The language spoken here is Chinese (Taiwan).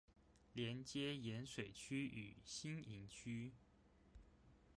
連接鹽水區與新營區